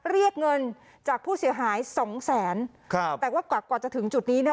เรียกเงินจากผู้เสียหายสองแสนครับแต่ว่ากว่ากว่าจะถึงจุดนี้เนี่ย